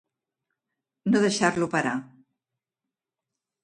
No deixar-lo parar.